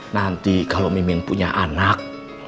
nanti kalau miming punya anak